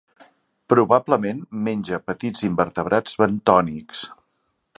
Probablement menja petits invertebrats bentònics.